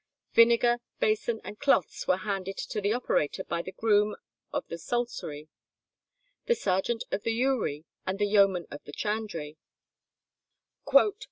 Vinegar, basin, and cloths were handed to the operator by the groom of the salcery, the sergeant of the ewry, and the yeoman of the chandrey.